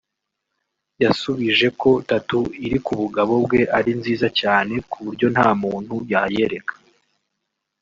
yasubije ko tattoo iri ku bugabo bwe ari nziza cyane kuburyo nta muntu yayereka